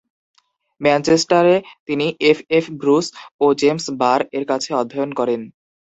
ম্যানচেস্টারে তিনি F. F. Bruce ও James বার-এর কাছে অধ্যয়ন করেন।